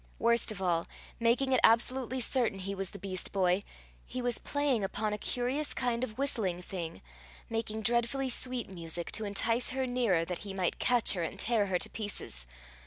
Worst of all, making it absolutely certain he was the beast boy, he was playing upon a curious kind of whistling thing, making dreadfully sweet music to entice her nearer that he might catch her and tear her to pieces!